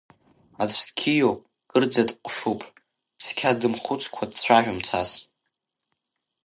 Аӡә дқьиоуп, кырӡа дҟәшуп, цқьа дымхәцкәа дцәажәом цас.